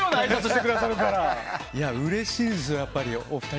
うれしいですよ、やっぱり。